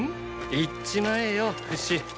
言っちまえよフシ。